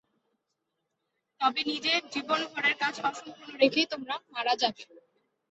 তবে নিজের জীবনভরের কাজ অসম্পূর্ণ রেখেই তোমরা মারা যাবে।